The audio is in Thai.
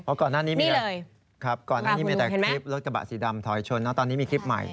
เพราะก่อนหน้านี้มีแต่คลิปรถกระบะสีดำถอยชนแล้วตอนนี้มีคลิปใหม่